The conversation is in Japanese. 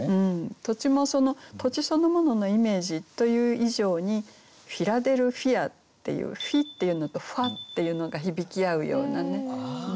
土地も土地そのもののイメージという以上に「フィラデルフィア」っていう「フィ」っていうのと「ファ」っていうのが響き合うようなね。